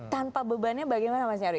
tanpa bebannya bagaimana mas nyarwi